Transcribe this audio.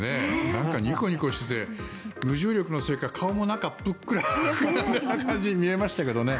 なんかニコニコしていて無重力のせいか顔もぷっくら膨らんでいる感じに見えましたけど。